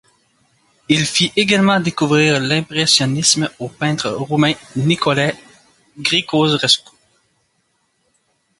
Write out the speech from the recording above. Il fit également découvrir l'impressionnisme au peintre roumain Nicolae Grigorescu.